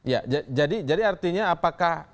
ya jadi artinya apakah